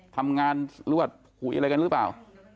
ทำงานหรือว่าคุยอะไรกันหรือเปล่า